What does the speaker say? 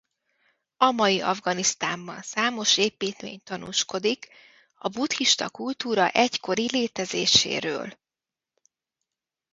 A mai Afganisztánban számos építmény tanúskodik a buddhista kultúra egykori létezéséről.